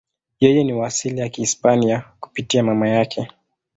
Yeye ni wa asili ya Kihispania kupitia mama yake.